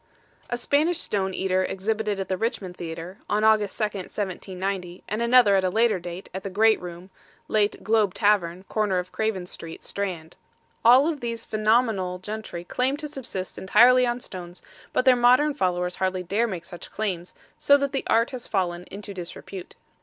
A Spanish stone eater exhibited at the Richmond Theater, on August 2nd, 1790, and another at a later date, at the Great Room, late Globe Tavern, corner of Craven Street, Strand. All of these phenomenal gentry claimed to subsist entirely on stones, but their modern followers hardly dare make such claims, so that the art has fallen into disrepute.